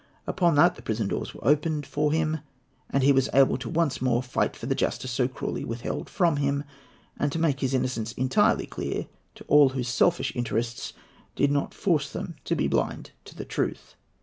Upon that the prison doors were opened for him, and he was able once more to fight for the justice so cruelly withheld from him, and to make his innocence entirely clear to all whose selfish interests did not force them to be blind to the truth.